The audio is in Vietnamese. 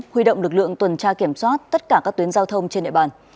huy động lực lượng tuần tra kiểm soát tất cả các tuyến giao thông trên địa bàn